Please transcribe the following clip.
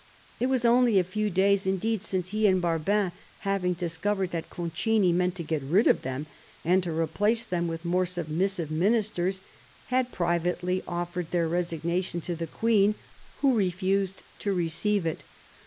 It was only a few days indeed since he and Barbin, having discovered that Concini meant to get rid of them and to replace them with more submissive Ministers, had privately offered their resignation to the Queen, who refused to receive it.